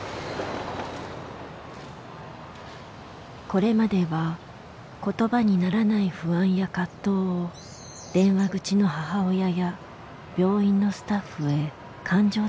これまでは言葉にならない不安や葛藤を電話口の母親や病院のスタッフへ感情的にぶつけてきた。